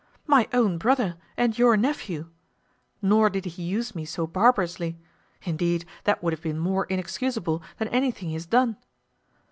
my own brother and your nephew. Nor did he use me so barbarously indeed, that would have been more inexcusable than anything he hath done.